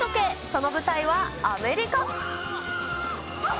その舞台はアメリカ。